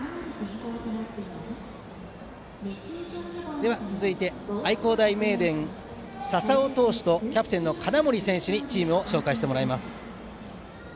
では続いて愛工大名電の笹尾投手とキャプテンの金森選手にチームを紹介してもらいます。